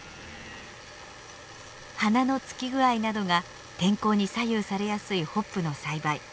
花のつき具合などが天候に左右されやすいホップの栽培。